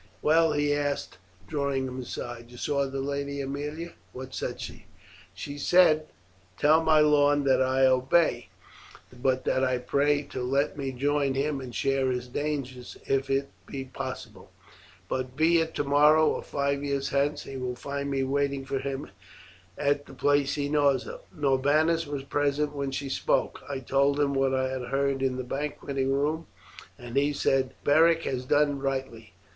"Well," he asked, drawing him aside, "you saw the lady Aemilia. What said she?" "She said, 'Tell my lord that I obey, but that I pray him to let me join him and share his dangers if it be possible; but be it tomorrow or five years hence, he will find me waiting for him at the place he knows of.' Norbanus was present when she spoke. I told him what I had heard in the banqueting room, and he said 'Beric has done rightly.